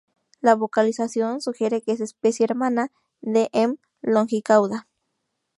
La vocalización sugiere que es especie hermana de "M. longicauda".